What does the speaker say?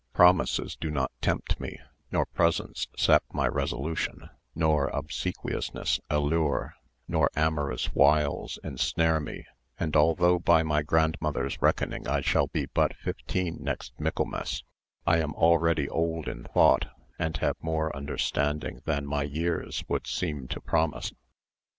Promises do not tempt me, nor presents sap my resolution, nor obsequiousness allure, nor amorous wiles ensnare me; and although by my grandmother's reckoning I shall be but fifteen next Michaelmas, I am already old in thought, and have more understanding than my years would seem to promise.